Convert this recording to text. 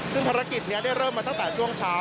ซึ่งภารกิจนี้ได้เริ่มมาตั้งแต่ช่วงเช้า